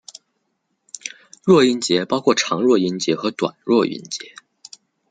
弱音节包括长弱音节和短弱音节。